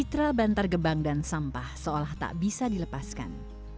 mitra bantar gebang dan sampah seolah tak bisa dilepaskan